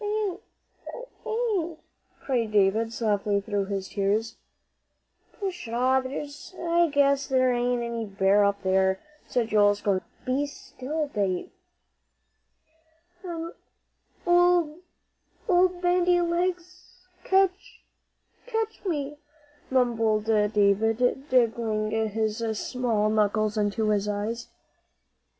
"I ain't I ain't " cried David, softly, through his tears. "Pshaw! I guess there ain't any bear up there," said Joel, scornfully. "Be still, Dave!" "An' old old Bandy Legs'll catch catch me," mumbled David, digging his small knuckles into his eyes.